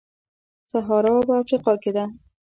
سهارا په افریقا کې ده.